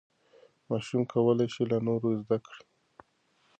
ماشومه کولی شي له نورو زده کړي.